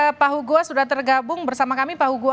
saya ke pak hugua sudah tergabung bersama kami pak hugua